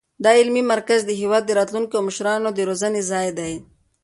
دا علمي مرکز د هېواد د راتلونکو مشرانو د روزنې ځای دی.